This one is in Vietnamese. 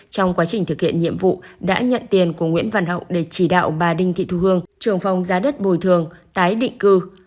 trong quá trình thực hiện nhiệm vụ đã nhận tiền của nguyễn văn hậu để chỉ đạo bà đinh thị thu hương trường phòng giá đất bồi thường tái định cư